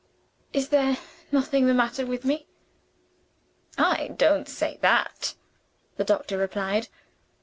Is there nothing the matter with me?" "I don't say that," the doctor replied.